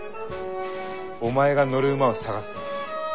お前が乗る馬を探すんだ。